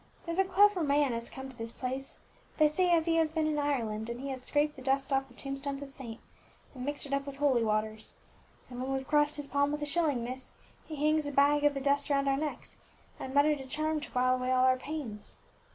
There's a wonderful clever man as has come to this place; they says as he has been in Ireland, and he has scraped the dust off the tombstones of saints, and mixed it up with holy water, and when we've crossed his palm with a shilling, miss, he hangs a bag of the dust round our necks, and mutters a charm to wile away all our pains.